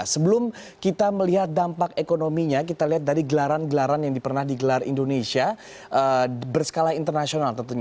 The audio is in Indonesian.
sebelum kita melihat dampak ekonominya kita lihat dari gelaran gelaran yang pernah digelar indonesia berskala internasional tentunya